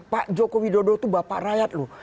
pak jokowi dodo itu bapak rakyat loh